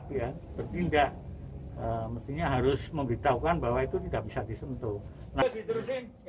mestinya harus memberitahukan bahwa itu tidak bisa disentuh